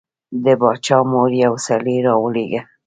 د باچا مور یو سړی راولېږه.